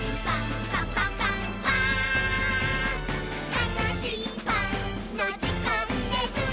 「たのしいパンのじかんです！」